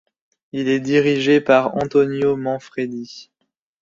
Il est dirigé par Antonio Manfredi.